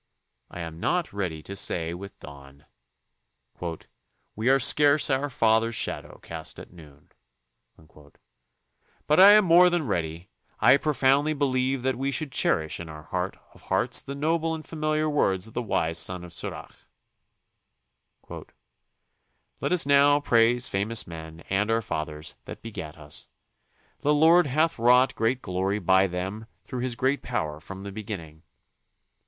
I am not ready to say with Donne: We are scarce our father's shadow cast at noon; but I am more than ready — I profoundly believe that we should cherish in our heart of hearts the noble and familiar words of the wise son of Sirach: Let us now praise famous men and our fathers that begat us. The Lord hath wrought great glory by them through his great THE CONSTITUTION AND ITS MAKERS 87 power from the beginning.